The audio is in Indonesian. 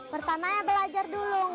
pertamanya belajar dulu